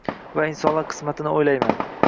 Va insonlar qismatini o’ylayman…